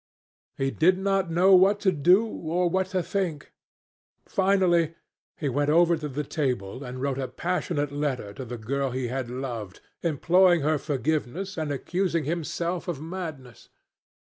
He did not know what to do, or what to think. Finally, he went over to the table and wrote a passionate letter to the girl he had loved, imploring her forgiveness and accusing himself of madness.